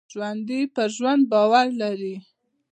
ژوندي په ژوند باور لري